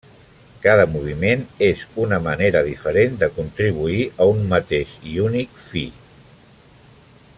Cada moviment és una manera diferent de contribuir a un mateix i únic fi.